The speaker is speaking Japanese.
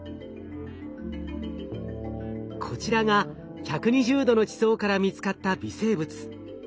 こちらが１２０℃の地層から見つかった微生物。